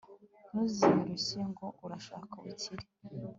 ntuzirushye ngo urashaka ubukire